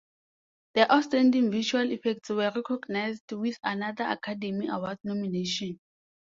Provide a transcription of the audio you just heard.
The outstanding visual effects were recognized with another Academy Award nomination.